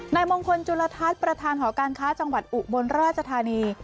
นายมงคลจุลทัศน์ประธานหอการค้าจังหวัดอุบลราชธานี